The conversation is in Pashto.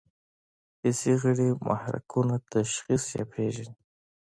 حسي غړي محرکونه تشخیص یا پېژني.